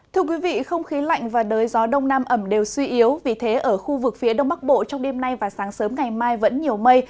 thưa quý vị không khí lạnh và đới gió đông nam ẩm đều suy yếu vì thế ở khu vực phía đông bắc bộ trong đêm nay và sáng sớm ngày mai vẫn nhiều mây